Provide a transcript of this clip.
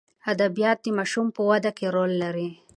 ادبیات د ماشوم په وده کې رول لري.